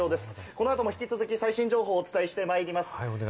この後も引き続き最新情報をお伝えしてまいります。